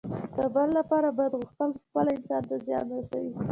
د بل لپاره بد غوښتل پخپله انسان ته زیان رسوي.